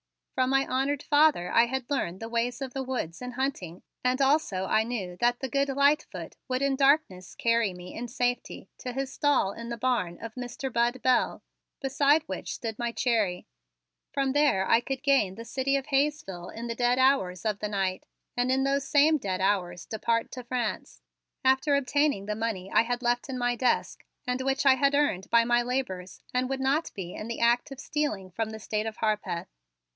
From my honored father I had learned the ways of woods in hunting and also I knew that the good Lightfoot would in darkness carry me in safety to his stall in the barn of Mr. Bud Bell, beside which stood my Cherry. From there I could gain the city of Hayesville in the dead hours of the night and in those same dead hours depart to France, after obtaining the money I had left in my desk and which I had earned by my labors and would not be in the act of stealing from the State of Harpeth.